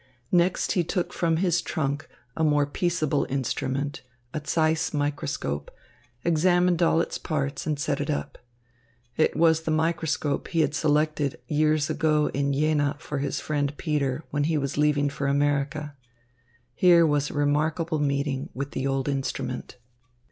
Next he took from his trunk a more peaceable instrument, a Zeiss microscope, examined all its parts, and set it up. It was the microscope that he had selected years ago in Jena for his friend, Peter, when he was leaving for America. Here was a remarkable meeting with the old instrument.